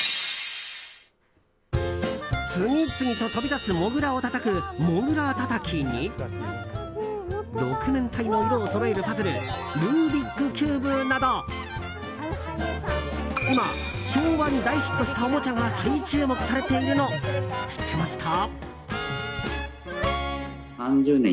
次々と飛び出すモグラをたたくモグラたたきに六面体の色をそろえるパズルルービックキューブなど今、昭和に大ヒットしたおもちゃが再注目されているの知ってました？